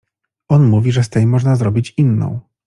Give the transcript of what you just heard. On mówi, że z tej można zrobić inną.